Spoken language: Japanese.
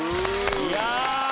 いや。